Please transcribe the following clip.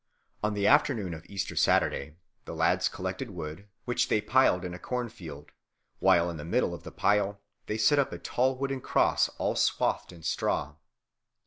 On the afternoon of Easter Saturday the lads collected wood, which they piled in a cornfield, while in the middle of the pile they set up a tall wooden cross all swathed in straw.